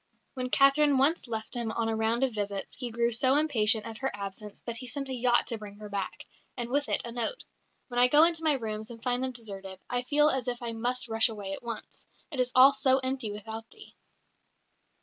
When Catherine once left him on a round of visits, he grew so impatient at her absence that he sent a yacht to bring her back, and with it a note: "When I go into my rooms and find them deserted, I feel as if I must rush away at once. It is all so empty without thee."